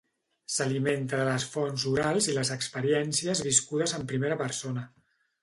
S'alimenta de les fonts orals i les experiències viscudes en primera persona.